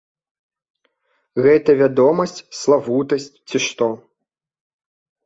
Гэта вядомасць, славутасць ці што?